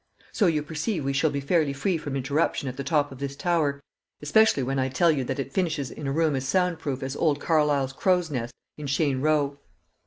So you perceive we shall be fairly free from interruption at the top of this tower, especially when I tell you that it finishes in a room as sound proof as old Carlyle's crow's nest in Cheyne Row."